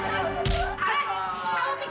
serahkan bapak ibu